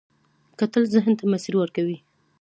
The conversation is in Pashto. کتل ذهن ته مسیر ورکوي